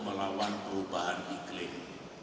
melawan perubahan iklim